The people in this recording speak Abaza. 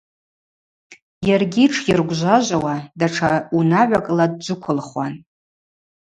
Йаргьи, тшйыргвжважвауа, датша унагӏвакӏла дджвыквылхуан.